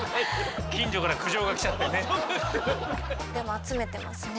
近所から苦情が来ちゃってね。